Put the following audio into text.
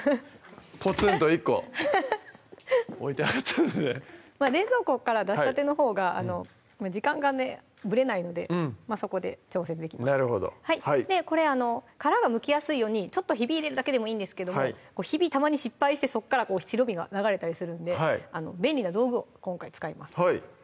ポツンと１個置いてあったので冷蔵庫から出したてのほうが時間がねぶれないのでまぁそこで調節できますなるほどこれ殻がむきやすいようにちょっとひび入れるだけでもいいんですけどもひびたまに失敗してそこから白身が流れたりするんで便利な道具を今回使います